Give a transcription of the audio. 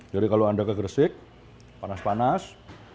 jadi kalau anda ke gersik panas panas